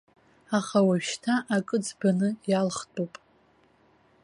Аха уажәшьҭа акы ӡбаны иалхтәуп.